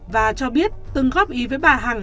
và cho biết từng góp ý với bà hằng